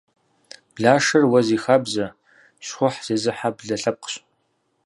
Блашэр уэ зи хабзэ, щхъухь зезыхьэ блэ лъэпкъщ.